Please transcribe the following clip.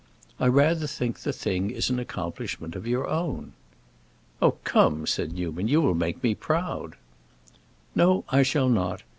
I rather think the thing is an accomplishment of your own." "Oh, come," said Newman, "you will make me proud!" "No, I shall not.